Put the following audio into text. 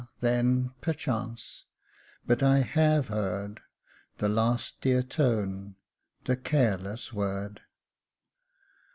then, perchance but I have heard The last dear tone the careless word